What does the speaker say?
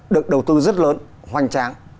được đầu tư rất lớn hoành tráng